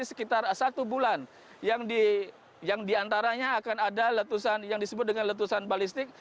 sekitar satu bulan yang diantaranya akan ada letusan yang disebut dengan letusan balistik